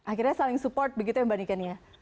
akhirnya saling support begitu ya mbak nikennya